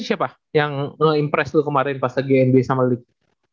siapa yang nge impress lu kemarin pas gnb summer league